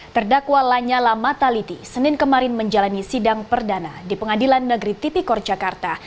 terdakwa lanyala mataliti senin kemarin menjalani sidang perdana di pengadilan negeri tipikor jakarta